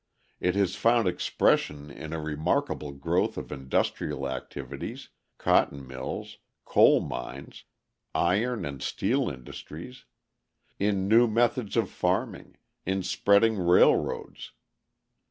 It has found expression in a remarkable growth of industrial activities, cotton mills, coal mines, iron and steel industries; in new methods of farming; in spreading railroads.